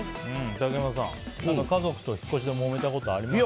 竹山さん、家族と引っ越しでもめたことありますか？